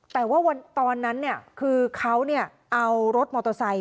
แต่ว่าตอนนั้นเนี่ยคือเขาเนี่ยเอารถมอเตอร์ไซด์